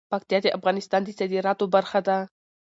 پکتیا د افغانستان د صادراتو برخه ده.